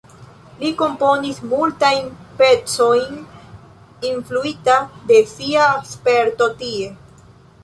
Li komponis multajn pecojn influita de sia sperto tie.